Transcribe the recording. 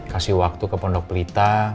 kasih waktu ke pondok pelita